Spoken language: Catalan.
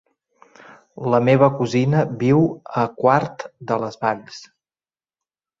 La meva cosina viu a Quart de les Valls.